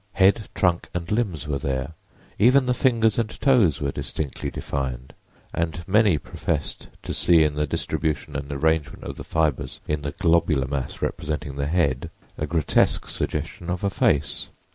Head, trunk and limbs were there; even the fingers and toes were distinctly defined; and many professed to see in the distribution and arrangement of the fibers in the globular mass representing the head a grotesque suggestion of a face.